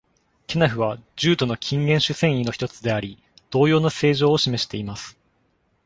ケナフは、ジュートの近縁種繊維の一つであり、同様の性状を示しています。